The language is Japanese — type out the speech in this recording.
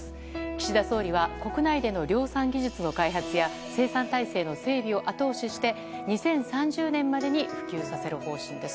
岸田総理は国内での量産技術の開発や生産体制の整備を後押しして２０３０年までに普及させる方針です。